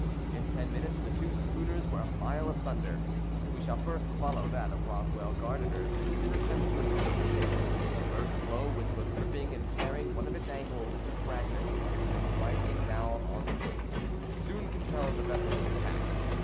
In ten minutes the two schooners were a mile asunder. We shall first follow that of Roswell Gardiner's in his attempt to escape. The first floe, which was ripping and tearing one of its angles into fragments, as it came grinding down on the cape, soon compelled the vessel to tack.